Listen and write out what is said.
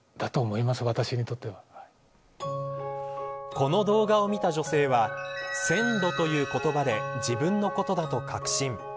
この動画を見た女性は線路、という言葉で自分のことだと確信。